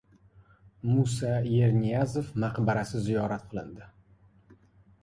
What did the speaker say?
Musa Yerniyazov maqbarasi ziyorat qilindi